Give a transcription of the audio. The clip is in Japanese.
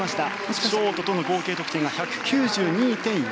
ショートとの合計得点が１９２．６３。